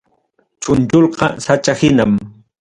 Chunchullqa chaka hinam.